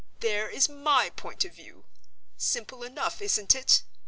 There is my point of view! Simple enough, isn't it?